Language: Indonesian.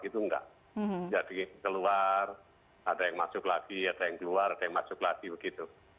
itu enggak jadi keluar ada yang masuk lagi ada yang keluar ada yang masuk lagi begitu